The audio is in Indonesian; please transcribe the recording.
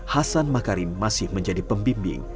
hasan makarim masih menjadi pembimbing